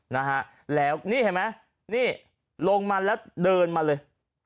นะฮะแล้วนี่เห็นไหมนี่ลงมาแล้วเดินมาเลย